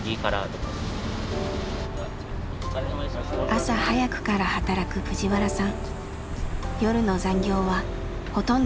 朝早くから働くプジワラさん。